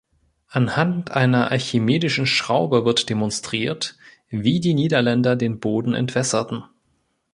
Anhand einer archimedischen Schraube wird demonstriert, wie die Niederländer den Boden entwässerten.